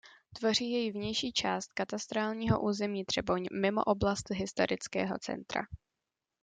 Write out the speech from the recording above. Tvoří jej vnější část katastrálního území Třeboň mimo oblast historického centra.